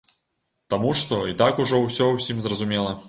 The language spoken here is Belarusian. Таму што і так ужо ўсё ўсім зразумела.